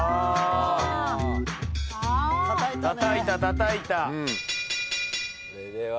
たたいたね。